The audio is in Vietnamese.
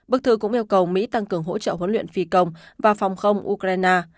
bức thư cũng yêu cầu mỹ tăng cường hỗ trợ huấn luyện phi công và phòng không ukraine